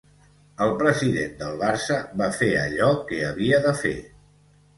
El president del Barça va fer allò que havia de fer.